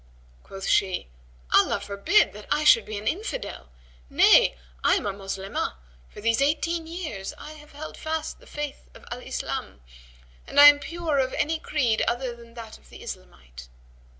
Quoth she, "Allah forbid that I should be an infidel! Nay, I am a Moslemah; for these eighteen years I have held fast the Faith of Al Islam and I am pure of any creed other than that of the Islamite."